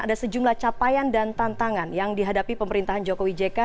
ada sejumlah capaian dan tantangan yang dihadapi pemerintahan jokowi jk